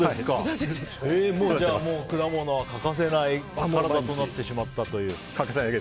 じゃあもう果物は欠かせない体となってしまったという。